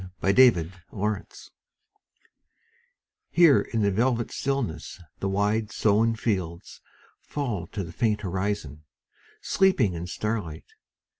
THE INDIA WHARF HERE in the velvet stillness The wide sown fields fall to the faint horizon, Sleeping in starlight.